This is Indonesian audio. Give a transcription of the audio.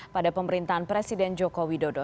pada pemerintahan presiden joko widodo